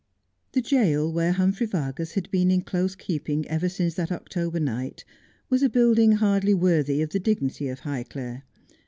The jail where Humphrey Vargas had been in close keeping ever since that October night, was a building hardly worthy of the dignity of Highclere.